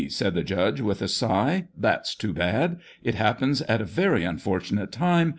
said the judge, with a sigh ;" that's too bad ! It happens at a very unfor tunate time